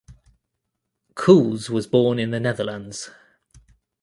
Cools was born in the Netherlands.